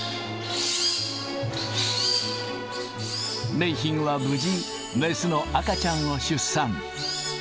メイヒンは無事、雌の赤ちゃんを出産。